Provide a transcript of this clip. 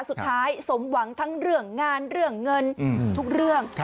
สุดท้ายสมหวังทั้งเรื่องงานเรื่องเงินทุกเรื่อง